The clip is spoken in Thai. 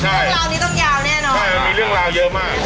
ใช่มีเรื่องราวเยอะมาก